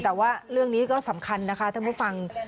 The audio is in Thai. แต่ว่าเรื่องนี้ก็สำคัญนะคะท่านผู้ฟัง